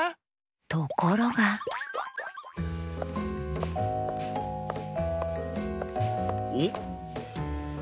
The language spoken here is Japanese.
ところがおっ！